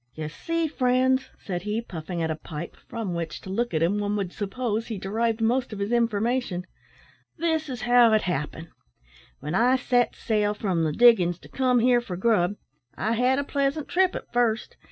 "Ye see, friends," said he, puffing at a pipe, from which, to look at him, one would suppose he derived most of his information, "this is how it happened. When I set sail from the diggin's to come here for grub, I had a pleasant trip at first.